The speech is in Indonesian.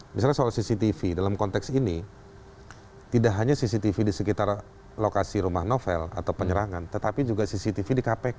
misalnya soal cctv dalam konteks ini tidak hanya cctv di sekitar lokasi rumah novel atau penyerangan tetapi juga cctv di kpk